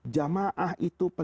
jamaah itu adalah